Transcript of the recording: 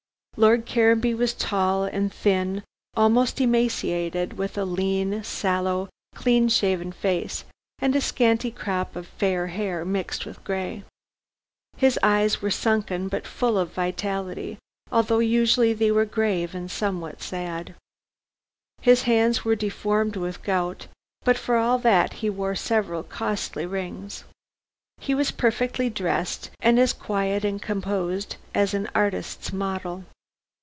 Lord Caranby was tall and thin almost emaciated with a lean, sallow, clean shaven face, and a scanty crop of fair hair mixed with gray. His eyes were sunken but full of vitality, although usually they were grave and somewhat sad. His hands were deformed with gout, but for all that he wore several costly rings. He was perfectly dressed, and as quiet and composed as an artist's model.